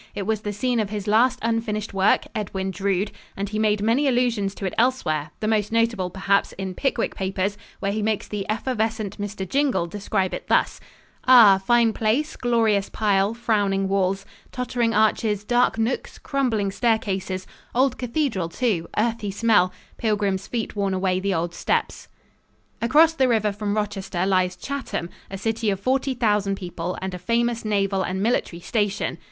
It was the scene of his last unfinished work, "Edwin Drood," and he made many allusions to it elsewhere, the most notable perhaps in "Pickwick Papers," where he makes the effervescent Mr. Jingle describe it thus: "Ah, fine place, glorious pile, frowning walls, tottering arches, dark nooks, crumbling staircases old cathedral, too, earthy smell pilgrims' feet worn away the old steps." Across the river from Rochester lies Chatham, a city of forty thousand people and a famous naval and military station.